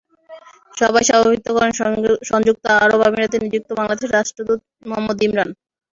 সভায় সভাপতিত্ব করেন সংযুক্ত আরব আমিরাতে নিযুক্ত বাংলাদেশের রাষ্ট্রদূত মুহাম্মদ ইমরান।